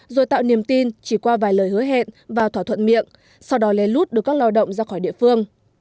rồi tạo niềm tin chỉ qua vài lời hứa hẹn và thỏa thuận miệng sau đó lèn lút được các lao động ra khỏi địa phương